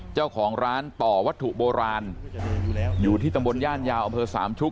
เจ้าของร้านต่อวัตถุโบราณอยู่ที่ตำบลย่านยาวอำเภอสามชุก